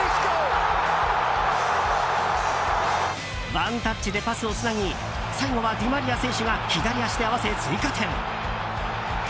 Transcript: ワンタッチでパスをつなぎ最後はディマリア選手が左足で合わせ追加点。